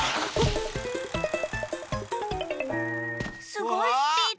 すごいスピード！